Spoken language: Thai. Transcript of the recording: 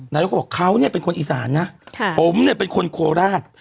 นายกก็บอกเขาเนี่ยเป็นคนอีสานนะผมเนี่ยเป็นคนโคราช